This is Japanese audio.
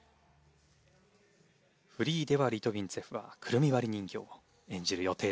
フリーではリトビンツェフは『くるみ割り人形』を演じる予定という事です。